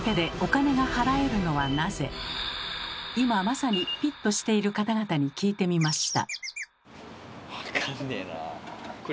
今まさにピッとしている方々に聞いてみました。